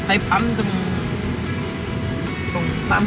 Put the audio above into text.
ไปปั้มที่ว้าทุกวันก่อนต่อพระบริษัท